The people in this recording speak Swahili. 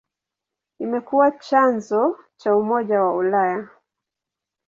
Imekuwa chanzo cha Umoja wa Ulaya.